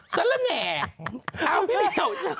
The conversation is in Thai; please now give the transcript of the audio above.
สละแหน่เอ้าพี่เบียวเชิญ